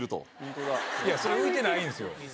いやそれ浮いてないんですよ。